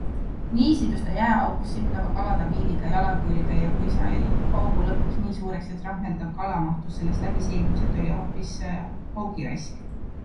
Nii sidus ta jääaugus sipleva kala tamiiliga jala külge ja kui sai augu lõpuks nii suureks, et rahmeldav kala mahtus sellest läbi, selgus, et oli hoopis haugiraisk.